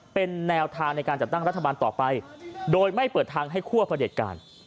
เป็นแนวทางในการจัดตั้งรัฐบาลต่อไปโดยไม่เปิดทางให้คั่วประเด็จการ